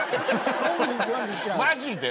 マジで？